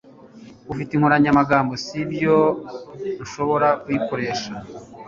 Ufite inkoranyamagambo, si byo? Nshobora kuyikoresha?